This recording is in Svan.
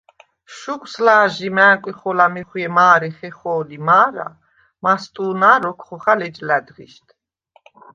შუკვს ლა̄ზჟი მა̄̈ნკვი ხოლა მეხვიე მა̄რე ხეხო̄ლი მა̄რა, მასტუ̄ნა̄ როქვ ხოხალ ეჯ ლა̈დღიშდ.